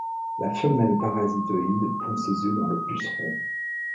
La femelle parasitoïde pond ses œufs dans le puceron.